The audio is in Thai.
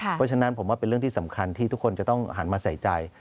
เพราะฉะนั้นผมว่าเป็นเรื่องที่สำคัญที่ทุกคนจะต้องหันมาใส่ใจ